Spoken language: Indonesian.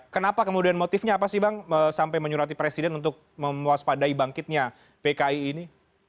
kenapa kemudian motifnya apa sih bang sampai menyurati presiden untuk memuas padai bangkitnya pki ini